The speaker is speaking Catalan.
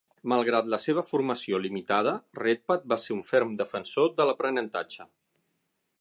Malgrat la seva formació limitada, Redpath va ser un ferm defensor de l'aprenentatge.